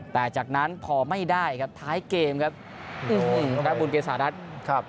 แต่จากนั้นพอไม่ได้ครับท้ายเกมครับดัสบุรณ์เกียรติศาสตร์นัด